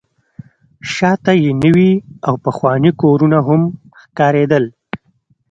شاته یې نوي او پخواني کورونه هم ښکارېدل.